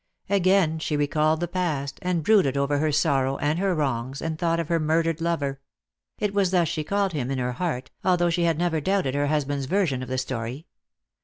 Again she recalled the past, and brooded over her sorrow and her wrongs, and thought of her murdered lover — it was thus she called him in her heart, although she had never doubted her husband's version of the story.